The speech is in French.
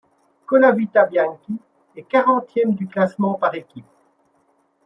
Colavita-Bianchi est quarantième du classement par équipes.